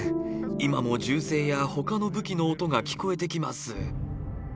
今も銃声やほかの武器の音が聞こえてきます。